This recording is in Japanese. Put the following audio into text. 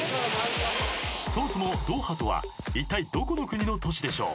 ［そもそもドーハとはいったいどこの国の都市でしょう］